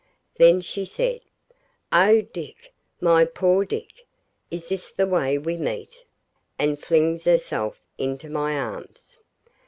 Then she said, 'Oh, Dick my poor Dick! is this the way we meet?' and flings herself into my arms.